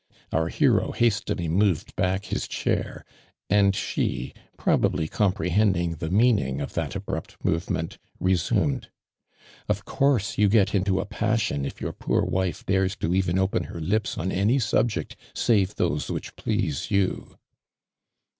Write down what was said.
Our hero hastily moved back his chair, and she, probably comprehending the mcan injr of that abrupt movement, resumed :" Of course you get into a passiOn if your poor wife dares to even open her lips on any subject save those which please you."